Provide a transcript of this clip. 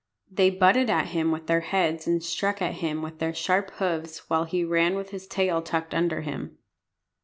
They butted at him with their heads and struck at him with their sharp hoofs, while he ran with his tail tucked under him.